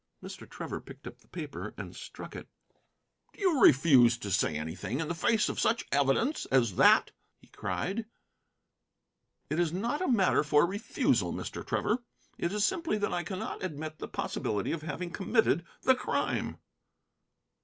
Mr. Trevor picked up the paper and struck it. "Do you refuse to say anything in the face of such evidence as that?" he cried. "It is not a matter for refusal, Mr. Trevor. It is simply that I cannot admit the possibility of having committed the crime."